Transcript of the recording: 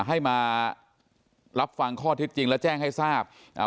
ให้มารับฟังข้อเท็จจริงและแจ้งให้ทราบอ่า